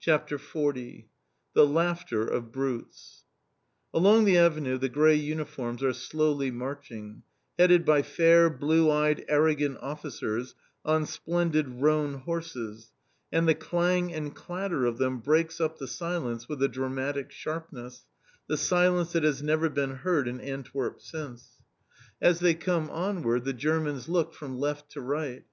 CHAPTER XL THE LAUGHTER OF BRUTES Along the Avenue the grey uniforms are slowly marching, headed by fair, blue eyed, arrogant officers on splendid roan horses, and the clang and clatter of them breaks up the silence with a dramatic sharpness the silence that has never been heard in Antwerp since! As they come onward, the Germans look from left to right.